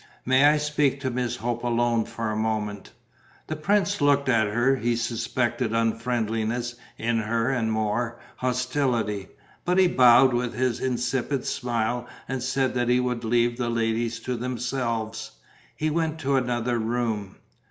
"May I speak to Miss Hope alone for a moment?" The prince looked at her. He suspected unfriendliness in her and more, hostility. But he bowed, with his insipid smile, and said that he would leave the ladies to themselves. He went to another room.